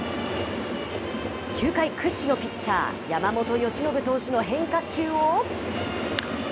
球界屈指のピッチャー、山本由伸投手の変化球を。